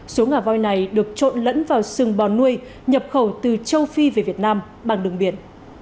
số ngà voi này được trộn lẫn vào sừng bò nuôi nhập khẩu từ châu phi về việt nam bằng đường biển